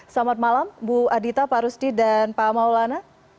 selamat malam bu adita pak rusdi dan pak maulana